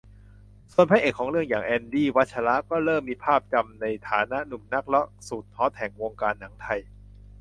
ส่วนพระเอกของเรื่องอย่าง แอนดี้ วัชระ ก็เริ่มมีภาพจำในฐานะหนุ่มนักรักสุดฮอตแห่งวงการหนังไทย